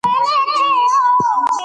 میرویس نیکه د پښتنو د تاریخ ویاړ دی.